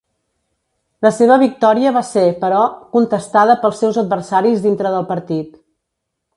La seva victòria va ser, però, contestada pels seus adversaris dintre del partit.